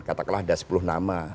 katakanlah ada sepuluh nama